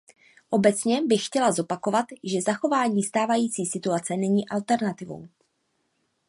Obecně bych chtěla zopakovat, že zachování stávající situace není alternativou.